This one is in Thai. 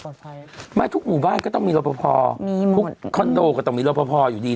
ปลอดภัยไม่ทุกหมู่บ้านก็ต้องมีรอบพอพอมีหมู่คอนโดก็ต้องมีรอบพอพออยู่ดี